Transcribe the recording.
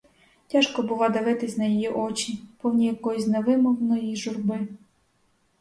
Тяжко бува дивитись на її очі, повні якоїсь невимовної журби!